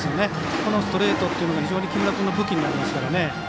このストレートというのが非常に木村君の武器になりますから。